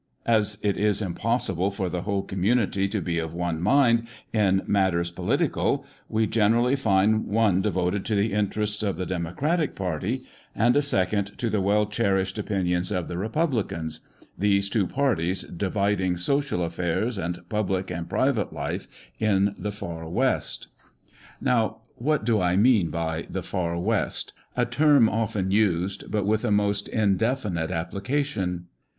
As it is impossible for the whole community to be of one mind in matters political, we generally find one devoted to the interests of the democratic party, and a second to the well cherished opinions of the republicans— these two parties dividing social affairs and public and private life in "the Far West." 350 [September 19, 1SGS.] ALL THE YEAR ROUND. [Conducted by Now, what do I mean by the Far West : a term often used, but with a most indefinite appli cation